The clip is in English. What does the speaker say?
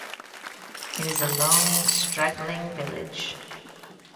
It is a long straggling village.